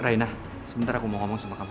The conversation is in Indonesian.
raina sebentar aku mau ngomong sama kamu